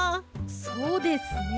そうですね。